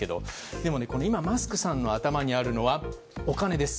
でも今、マスクさんの頭にあるのはお金です。